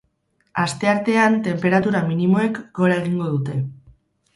Asteartean tenperatura minimoek gora egingo dute.